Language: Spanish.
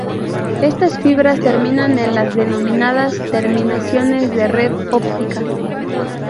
Estas fibras terminan en las denominadas Terminaciones de Red Óptica.